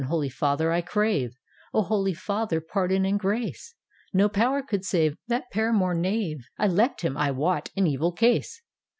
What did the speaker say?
Holy Father, I crave, Holy Father, pardon and grace! No power could save That paramour knave; 1 left him, I wot, in evil case!